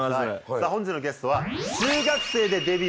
さあ本日のゲストは。